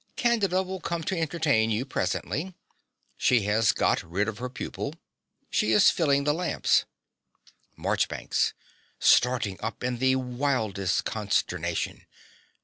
Candida will come to entertain you presently. She has got rid of her pupil. She is filling the lamps. MARCHBANKS (starting up in the wildest consternation).